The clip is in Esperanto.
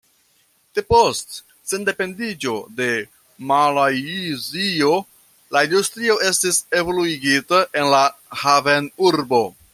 Depost sendependiĝo de Malajzio la industrio estis evoluigita en la havenurbo.